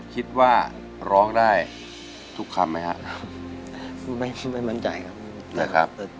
คิดว่าร้องได้ทุกคำไหมครับไม่ไม่มั่นใจครับนะครับ